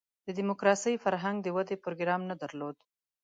د دیموکراسۍ فرهنګ د ودې پروګرام نه درلود.